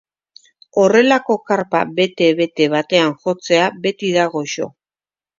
Horrelako karpa bete-bete batean jotzea beti da goxo.